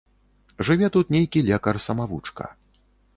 Жыве тут нейкі лекар самавучка.